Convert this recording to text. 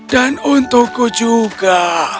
dan untukku juga